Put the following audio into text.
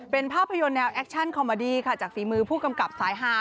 เป็นภาพยนตร์แนวแอคชั่นคอมเมอดี้ค่ะจากฝีมือผู้กำกับสายฮา